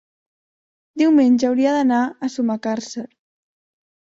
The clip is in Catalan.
Diumenge hauria d'anar a Sumacàrcer.